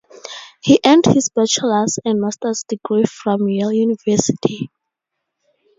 He earned his Bachelors and master's degree from Yale University.